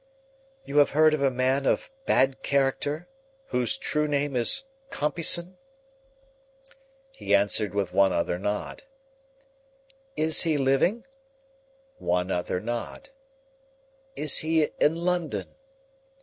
"You have heard of a man of bad character, whose true name is Compeyson?" He answered with one other nod. "Is he living?" One other nod. "Is he in London?"